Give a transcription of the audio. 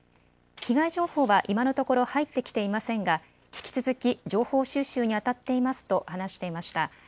被害情報は今のところ入ってきていませんが、引き続き情報収集にあたっていますと話していました。